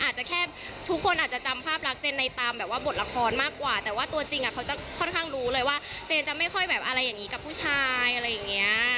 อาจจะแค่ทุกคนอาจจะจำภาพรักเจนในตามแบบว่าบทละครมากกว่าแต่ว่าตัวจริงเขาจะค่อนข้างรู้เลยว่าเจนจะไม่ค่อยแบบอะไรอย่างนี้กับผู้ชายอะไรอย่างเงี้ย